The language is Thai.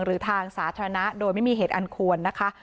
หรือทางสาธารณะโดยไม่มีเหตุอันควรนะคะ